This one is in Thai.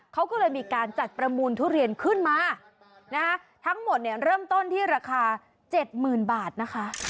เขาก็เลยมีการจัดประมูลทุเรียนขึ้นมานะคะทั้งหมดเนี่ยเริ่มต้นที่ราคา๗๐๐๐บาทนะคะ